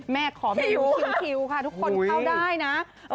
แม่ขอไม่รู้ทุกคนเข้าได้นะ